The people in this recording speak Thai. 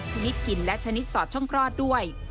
ชนิดหินและชนิดสอดช่องคลอดด้วย